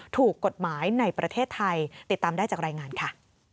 ถูกกฎหมายในประเทศไทยติดตามได้จากรายงานค่ะ